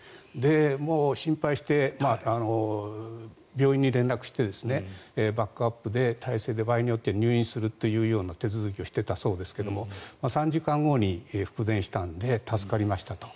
もう心配して、病院に連絡してバックアップ体制で場合によっては入院するような手続きをしていたそうですが３時間後に復電したので助かりましたと。